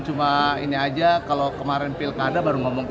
cuma ini aja kalau kemarin pilkada baru ngomong